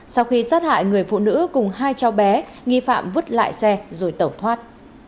sau khi sát hại người phụ nữ cùng hai cháu bé nghi phạm vứt lại xe rồi tẩu thoát